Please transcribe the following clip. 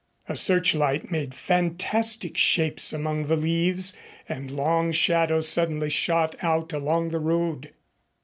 A searchlight made fantastic shapes among the leaves and long shadows suddenly shot out along the road.